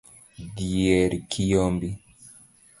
Dhier kiyombi